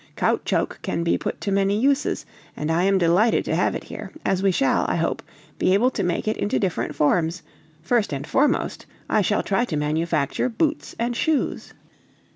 Caoutchouc can be put to many uses, and I am delighted to have it here, as we shall, I hope, be able to make it into different forms; first and foremost, I shall try to manufacture boots and shoes."